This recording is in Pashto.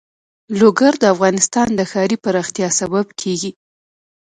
لوگر د افغانستان د ښاري پراختیا سبب کېږي.